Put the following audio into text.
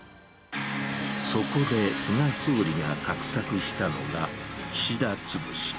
そこで菅総理が画策したのが、岸田潰し。